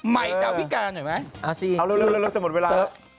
ใหม่ดาวิการหน่อยไหมเอาสิเอาเร็วแต่หมดเวลา